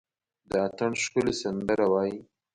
د اټن ښکلي سندره وايي،